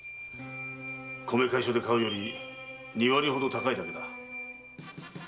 米会所で買うより二割ほど高いだけだ。